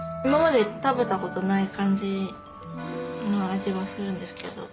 今まで食べたことない感じの味はするんですけど。